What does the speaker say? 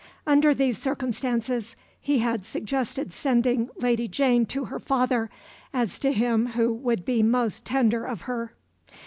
Under these circumstances he had suggested sending Lady Jane to her father, as to him who would be most tender of her.